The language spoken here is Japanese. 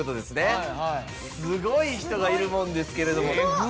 すごい人がいるもんですけれども。